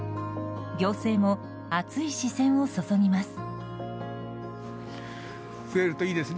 行政も熱い視線を注ぎます。